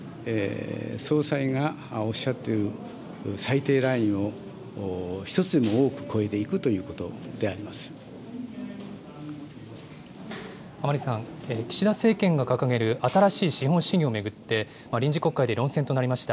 総裁がおっしゃっている最低ラインを１つでも多く越えていくとい甘利さん、岸田政権が掲げる新しい資本主義を巡って臨時国会で論戦となりました。